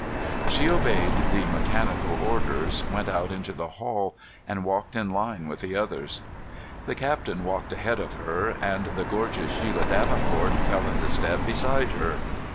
She obeyed the mechanical orders, went out into the hall and walked in line with the others. The captain walked ahead of her and the gorgeous Shelia Davenport fell into step beside her.